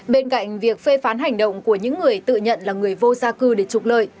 bên cạnh việc phê phán hành động của những người tự nhận là người vô gia cư để trục lợi